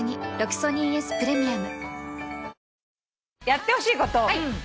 「やってほしいこと。